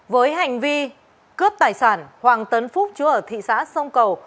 với hành vi cướp tài sản hoàng tấn phúc chú ở thị xã sông cầu